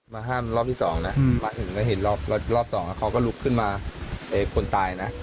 มาห้ามรอบที่๒นะมาถึงก็เห็นรอบ๒เขาก็ลุกขึ้นมาคนตายนะ